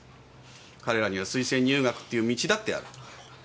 彼らには推薦入学っていう道だってある。